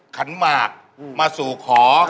ขันหมากมาสู่ขอ